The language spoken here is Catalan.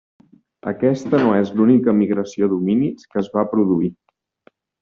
Aquesta no és l'única migració d'homínids que es va produir.